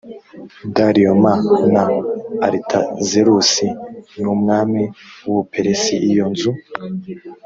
dariyo m na aritazerusi n umwami w u buperesi iyo nzu